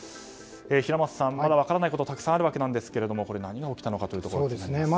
平松さん、まだ分からないことたくさんあるわけですけども何が起きたのでしょうか。